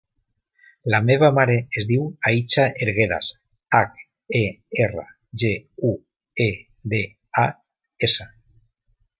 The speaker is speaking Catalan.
La meva mare es diu Aicha Herguedas: hac, e, erra, ge, u, e, de, a, essa.